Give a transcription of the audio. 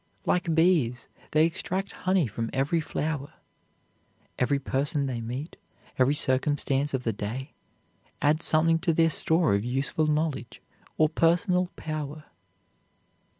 Like bees, they extract honey from every flower. Every person they meet, every circumstance of the day, adds something to their store of useful knowledge or personal power.